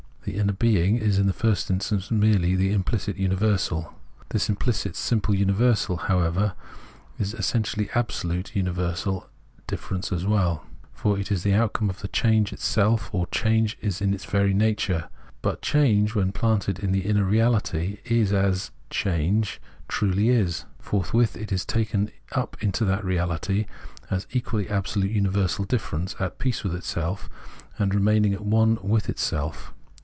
The inner being is in the first instance merely the implicit universal. This implicit simple universal, however, is essentially abso lute universal dift'erence as well ; for it is the outcome of the change itself, or change is its very nature. But change, when planted in the inner reality as it [change] truly is, forthwith is taken up into that reality as equally absolute universal difference at peace with itself, and remaining at one with itself.